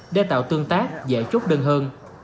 để tạo tương tác dễ chốt đơn hơn